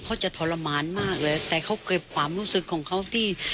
เขาจะทรมานมากเลยแต่เขาเก็บความรู้สึกของเขาที่